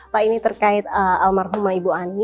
pak ini terkait almarhumah ibu ani